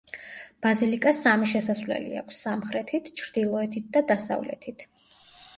ბაზილიკას სამი შესასვლელი აქვს: სამხრეთით, ჩრდილოეთით და დასავლეთით.